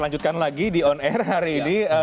lanjutkan lagi di on air hari ini